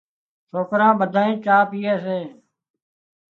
سوڪران ٻڌانئين چانه پيئي سي